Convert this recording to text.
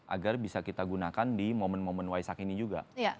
agar bisa kita gunakan di momen momen waisak ini juga